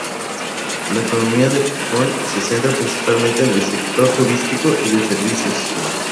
La economía de Pucón se centra principalmente en el sector turístico y de servicios.